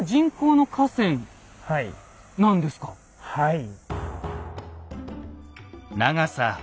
はい。